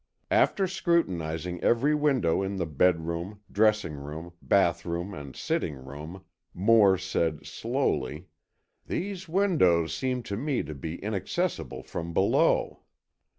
After scrutinizing every window in the bedroom, dressing room, bathroom and sitting room, Moore said, slowly: "These windows seem to me to be inaccessible from below."